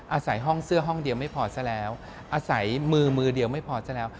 อาศัยห้องเสื้อห้องเดียวไม่พอซะแล้วอาศัยมือมือเดียวไม่พอซะแล้ว